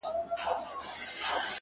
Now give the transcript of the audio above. نن شپه بيا زه پيغور ته ناسته يمه;